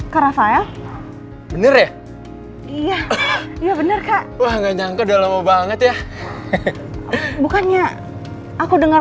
ke rafael bener ya iya bener kak wah nggak nyangka udah lama banget ya bukannya aku dengar